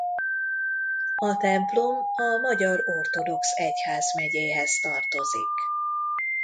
A templom a Magyar Ortodox Egyházmegyéhez tartozik.